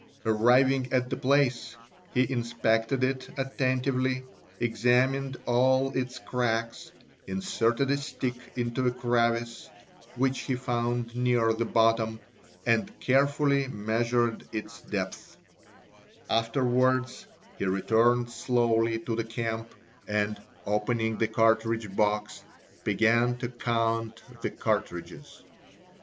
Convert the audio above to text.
Arriving at the place he inspected if attentively, examined all its cracks, inserted a stick into a crevice which he found near the bottom, and carefully measured its depths; afterwards he returned slowly to the camp and, opening the cartridge box, began to count the cartridges.